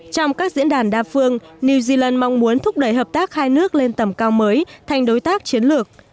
trong các diễn đàn đa phương new zealand mong muốn thúc đẩy hợp tác hai nước lên tầm cao mới thành đối tác chiến lược